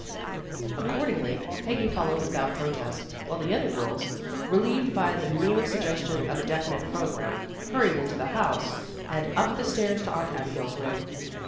Accordingly, Peggy followed without protest, while the other girls, relieved by the mere suggestion of a definite program, hurried into the house and up the stairs to Aunt Abigail's room.